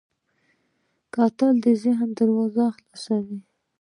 کتل د ذهن دروازې خلاصوي